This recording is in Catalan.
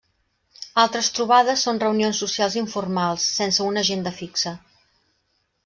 Altres trobades són reunions socials informals, sense una agenda fixa.